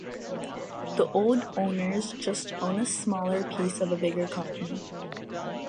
The old owners just own a smaller piece of a bigger company.